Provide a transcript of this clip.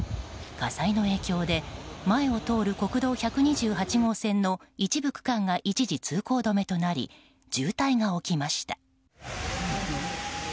火災の影響で前を通る国道１２８号線の一部区間が一時通行止めとなり渋滞が起きました。